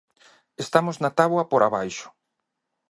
Estamos na táboa por abaixo.